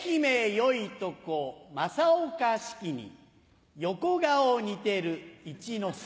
よいとこ正岡子規に横顔似てる一之輔。